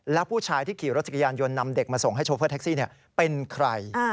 แล้วผู้ชายที่ขี่รถจักรยานยนต์นำเด็กมาส่งให้โชเฟอร์แท็กซี่เป็นใคร